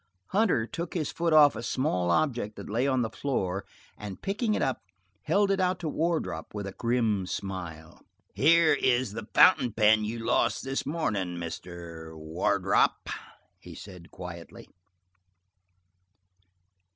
Hunter took his foot off a small object that lay on the floor, and picking it up, held it out to Wardrop, with a grim smile. "Here is the fountain pen you lost this morning, Mr. Wardrop," he said quietly.